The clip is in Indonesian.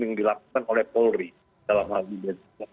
yang dilakukan oleh polri dalam hal densus delapan puluh delapan